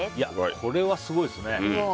これはすごいですね。